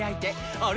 あれ？